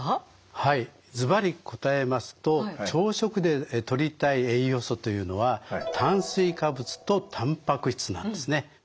はいずばり答えますと朝食でとりたい栄養素というのは炭水化物とたんぱく質なんですね。